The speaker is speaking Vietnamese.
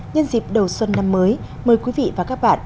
nhân dịp đầu xuân năm mới mời quý vị và các bạn